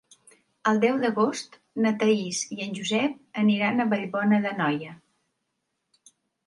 El deu d'agost na Thaís i en Josep aniran a Vallbona d'Anoia.